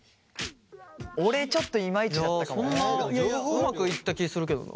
うまくいった気するけどな。